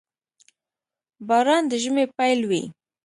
• باران د ژمي پيل وي.